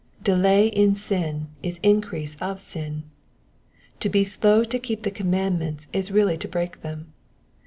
Delay in sin is increase of sin. To be slow to keep the commands is really to break them.